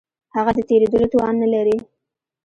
هغه د تېرېدلو توان نه لري.